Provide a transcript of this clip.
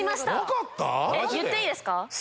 言っていいですか？